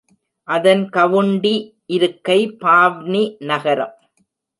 அதன் கவுண்டி இருக்கை பாவ்னி நகரம்.